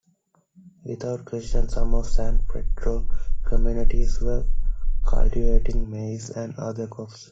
Without question, some of San Pedro communities were cultivating maize and other crops.